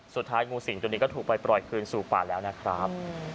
สุดท้ายงูสิ่งจนเดียวถูกไปปล่อยคืนสู่ป่าแล้วนะครับ